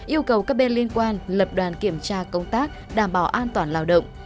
yêu cầu các bên liên quan lập đoàn kiểm tra công tác đảm bảo an toàn lao động